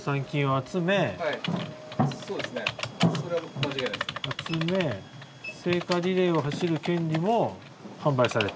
「集め聖火リレーを走る権利も販売された」。